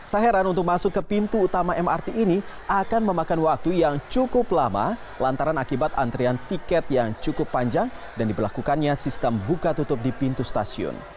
tak heran untuk masuk ke pintu utama mrt ini akan memakan waktu yang cukup lama lantaran akibat antrian tiket yang cukup panjang dan diberlakukannya sistem buka tutup di pintu stasiun